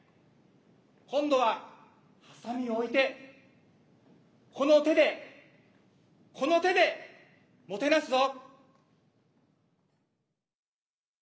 今度はハサミを置いてこの手でこの手でもてなすぞ。